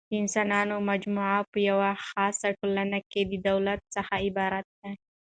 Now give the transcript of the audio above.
د انسانانو مجموعه په یوه خاصه ټولنه کښي د دولت څخه عبارت ده.